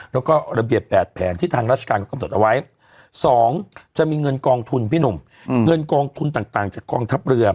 แล้วก็ระเบียบ๘แผนที่ทางราชการเขากำหนดเอาไว้๒จะมีเงินกองทุนพี่หนุ่มเงินกองทุนต่างจากกองทัพเรือ